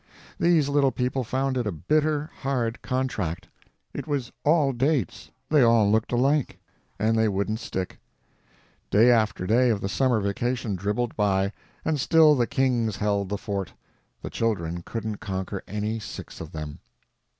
These little people found it a bitter, hard contract. It was all dates, they all looked alike, and they wouldn't stick. Day after day of the summer vacation dribbled by, and still the kings held the fort; the children couldn't conquer any six of them.